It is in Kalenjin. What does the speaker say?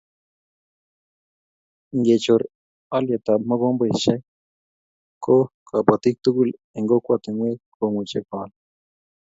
Ngechor olyetab mogombesiek ko kobotik tugul eng kokwatinwek komuchi koal